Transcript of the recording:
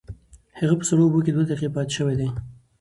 هغه په سړو اوبو کې دوه دقیقې پاتې شوې ده.